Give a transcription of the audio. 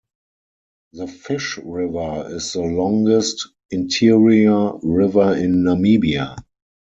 The Fish River is the longest interior river in Namibia.